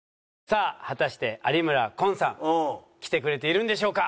さあ果たして有村昆さん来てくれているんでしょうか？